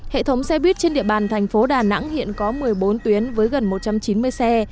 hệ thống xe buýt trên địa bàn thành phố đà nẵng hiện có một mươi bốn tuyến với gần một trăm chín mươi xe